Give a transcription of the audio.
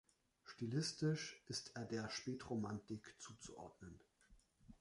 Stilistisch ist er der Spätromantik zuzuordnen.